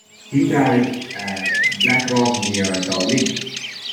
He died at Blackrock, near Dublin.